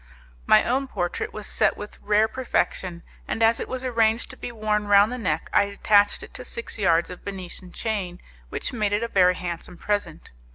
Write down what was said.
My own portrait was set with rare perfection, and as it was arranged to be worn round the neck I attached it to six yards of Venetian chain, which made it a very handsome present.